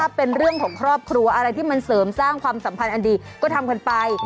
เป็นเรื่องของครอบครัวอะไรที่มันเสริมสร้างความสัมพันธ์อันดีก็ทำกันไป